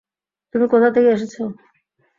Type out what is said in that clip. তুমি কোথা থেকে এসেছ?